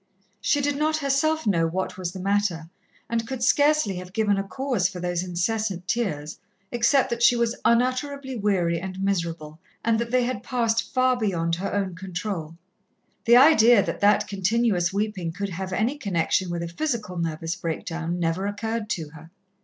She did not herself know what was the matter, and could scarcely have given a cause for those incessant tears, except that she was unutterably weary and miserable, and that they had passed far beyond her own control. The idea that that continuous weeping could have any connection with a physical nervous breakdown never occurred to her.